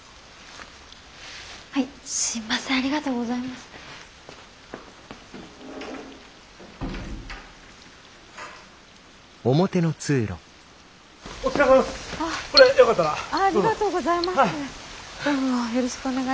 ありがとうございます。